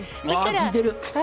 効いている。